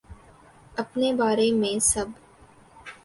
اپنے بارے میں سب